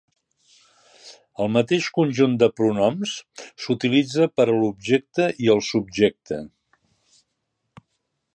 El mateix conjunt de pronoms s'utilitza per a l'objecte i el subjecte.